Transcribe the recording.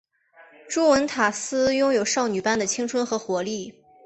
朱文塔斯拥有少女般的青春和活力。